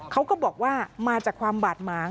เขาก็บอกว่ามาจากความบาดหมาง